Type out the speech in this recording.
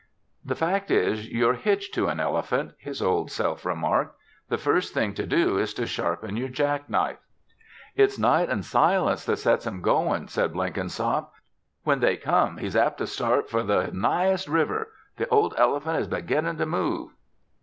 "The fact is you're hitched to an elephant," his Old Self remarked. "The first thing to do is to sharpen your jack knife." "It's Night an' Silence that sets him goin'," said Blenkinsop. "When they come he's apt to start for the nighest river. The old elephant is beginnin' to move."